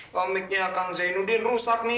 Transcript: komiknya kang zainuddin rusak nih